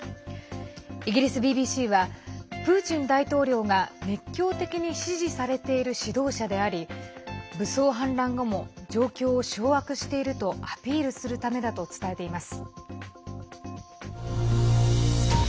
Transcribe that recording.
イギリスＢＢＣはプーチン大統領が熱狂的に支持されている指導者であり武装反乱後も状況を掌握しているとアピールするためだと伝えています。